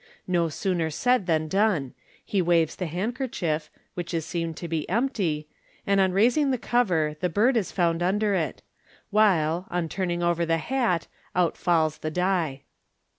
No sooner said than done ; he waves the hand kerchief, which is seen to be empty, and on raising the cover the bird is found under it ; while, on turning over the hat, out falls the die.